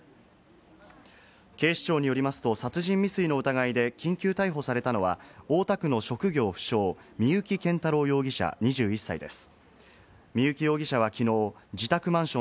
警視庁によりますと、殺人未遂の疑いで緊急逮捕されたのは、大田区の職業不詳、三幸謙太郎容疑者、２１歳です。